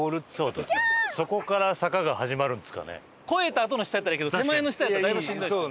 越えたあとの下やったらいいけど手前の下やったらだいぶしんどいですね。